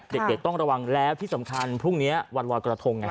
เด็กต้องระวังแล้วที่สำคัญพรุ่งนี้วันรอยกระทง